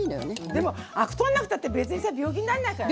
でもアク取んなくたって別にさ病気になんないからね。